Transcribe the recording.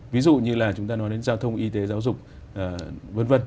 ví dụ như là chúng ta nói đến giao thông y tế giáo dục v v